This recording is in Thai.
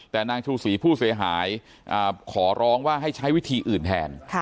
แต่นางชูศรีผู้เสียหายขอร้องว่าให้ใช้วิธีอื่นแทน